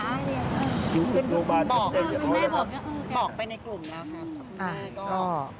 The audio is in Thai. บอกไปในกลุ่มแล้วครับ